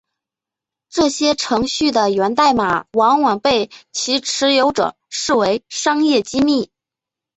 这些程序的源代码往往被其持有者视为商业机密。